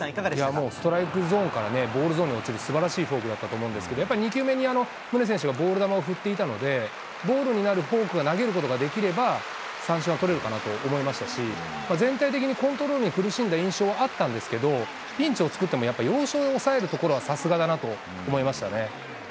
もうストライクゾーンからボールゾーンに落ちるすばらしいフォークだったと思うんですけど、やっぱり２球目に宗選手がボール球を振っていたので、ボールになるフォークを投げることができれば、三振は取れるかなと思いましたし、全体的にコントロールに苦しんだ印象はあったんですけど、ピンチを作っても、やっぱり要所を抑えるところはさすがだなと思いましたね。